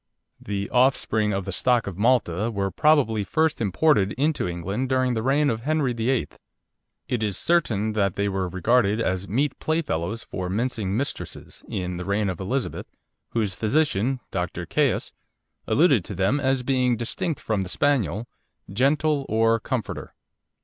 '" The "offspring of the stock of Malta" were probably first imported into England during the reign of Henry VIII. It is certain that they were regarded as "meet playfellows for mincing mistresses" in the reign of Elizabeth, whose physician, Dr. Caius, alluded to them as being distinct from the Spaniel, "gentle or comforter."